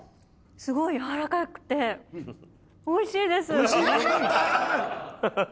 すごいやわらかくておいしいです。